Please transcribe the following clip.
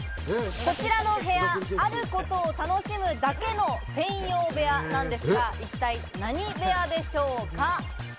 こちらの部屋、あることを楽しむためだけの専用部屋なんですが、一体何部屋でしょうか？